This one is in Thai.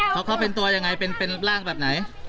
เขาเป็นตัวยังไงเป็นร่างแบบไหน